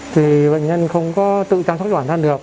thì bệnh nhân không có tự chăm sóc cho bệnh nhân được